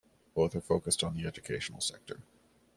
Both are focused on the educational sector.